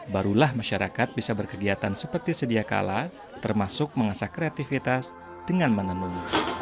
barulah masyarakat bisa berkegiatan seperti sedia kala termasuk mengasah kreativitas dengan menenun